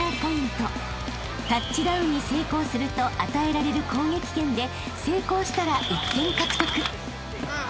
［タッチダウンに成功すると与えられる攻撃権で成功したら１点獲得］